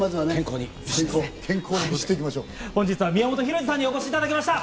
本日は宮本浩次さんにお越しいただきました。